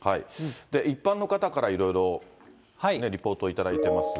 一般の方から、いろいろリポートを頂いてますが。